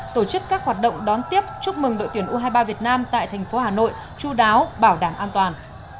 tổ chức các hoạt động đón tiếp chúc mừng đội tuyển u hai mươi ba việt nam tại thành phố hà nội chú đáo bảo đảm an toàn